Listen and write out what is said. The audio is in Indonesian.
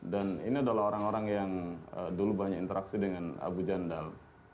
dan ini adalah orang orang yang dulu banyak interaksi dengan abu jandal